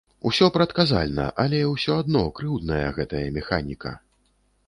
Усё прадказальна, але ўсё адно крыўдная гэтая механіка.